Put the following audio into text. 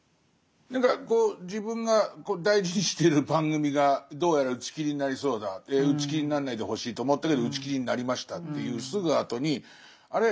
何かこう自分が大事にしてる番組がどうやら打ち切りになりそうだ打ち切りになんないでほしいと思ったけど打ち切りになりましたっていうすぐあとにあれ？